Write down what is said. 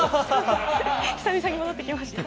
久々に戻ってきました。